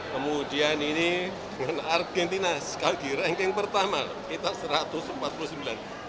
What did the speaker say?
kemudian ini dengan argentina sekali lagi ranking pertama kita satu ratus empat puluh sembilan